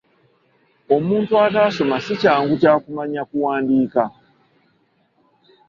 Omuntu ataasoma si kyangu kya kumanya kuwandiika.